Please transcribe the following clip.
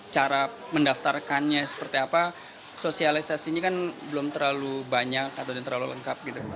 maka misalnya seperti apa sosialisasi ini kan belum terlalu banyak atau terlalu lengkap